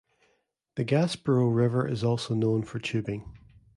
The Gaspereau River is also known for tubing.